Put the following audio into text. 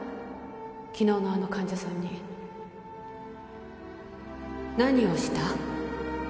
昨日のあの患者さんに何をした？